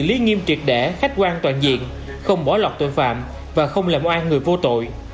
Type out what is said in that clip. lý nghiêm triệt để khách quan toàn diện không bỏ lọt tội phạm và không làm oan người vô tội